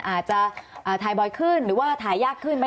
อาจจะถ่ายบ่อยขึ้นหรือว่าถ่ายยากขึ้นไหม